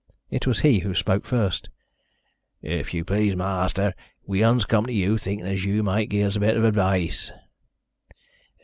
It was he who spoke first. "If you please, ma'aster, we uns come to you thinkin' as you might gi' us a bit o' advice."